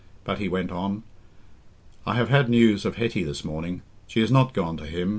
But he went on. "I have had news of Hetty this morning. She is not gone to him.